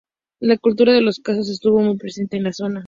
La cultura de los castros estuvo muy presente en esta zona.